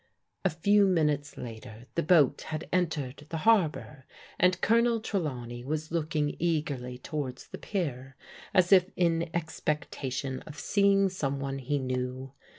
'* A few minutes later the boat had entered the harbour and Colonel Trelawney was looking eagerly towards the pier, as if in expectation of seeing some one he knew.